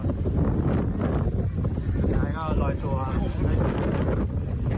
ขายที่รอยตัว